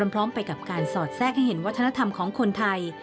พร้อมไปกับการสอดแทรกให้เห็นวัฒนธรรมของคนไทย